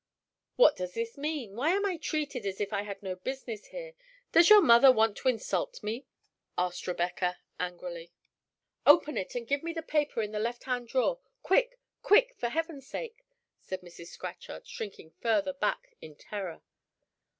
"What does this mean? Why am I treated as if I had no business here? Does your mother want to insult me?" asked Rebecca, angrily. "Open it, and give me the paper in the left hand drawer. Quick! quick, for Heaven's sake!" said Mrs. Scatchard, shrinking further back in terror.